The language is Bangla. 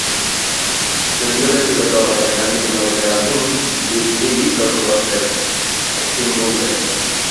যদিও ব্যক্তিগত মালিকানাধীন, দ্বীপটি প্রত্নতত্ত্বের একটি মূল কেন্দ্র।